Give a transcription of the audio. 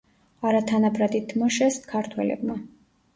არათანაბრად ითმაშეს ქართველებმა.